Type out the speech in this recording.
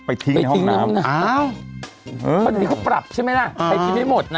ไปทิ้งในห้องน้ำไปทิ้งเนี่ยอ้าวตอนนี้เขาปรับใช่ไหมนะ